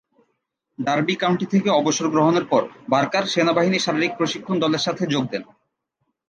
Derby County থেকে অবসর গ্রহণের পর, বার্কার সেনাবাহিনী শারীরিক প্রশিক্ষণ দলের সাথে যোগ দেন।